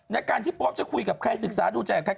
ในการที่โป๊ปจะคุยกับใครศึกษาดูใจกับใคร